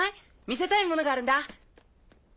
見せたいものがあるんだ。